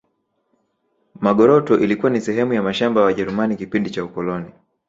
magoroto ilikuwa ni sehemu ya mashamba ya wajerumani kipindi cha ukoloni